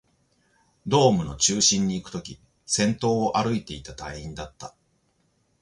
ドームの中心にいくとき、先頭を歩いていた隊員だった